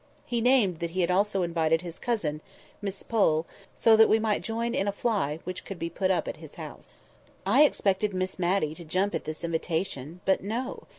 He named that he had also invited his cousin, Miss Pole; so that we might join in a fly, which could be put up at his house. I expected Miss Matty to jump at this invitation; but, no!